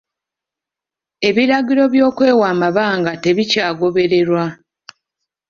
Ebiragiro by'okwewa amabanga tebikyagobererwa.